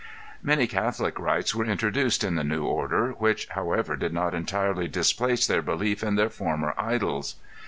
Many catholic rites were introduced in the new order, which however did not entirely displace their belief in their former idols.